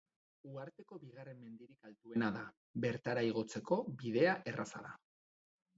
Uharteko bigarren mendirik altuena da, bertara igotzeko bidea erraza da.